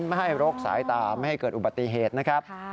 ไม่ให้รกสายตาไม่ให้เกิดอุบัติเหตุนะครับ